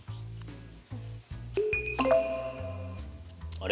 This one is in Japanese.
あれ？